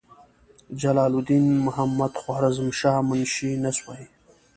جلال الدین محمدخوارزمشاه منشي نسوي.